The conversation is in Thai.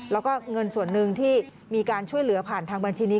แล้วก็เงินส่วนหนึ่งที่มีการช่วยเหลือผ่านทางบัญชีนี้